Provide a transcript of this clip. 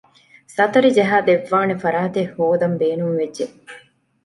ސަތަރި ޖަހައި ދެއްވާނެ ފަރާތެއް ހޯދަން ބޭނުންވެއްޖެ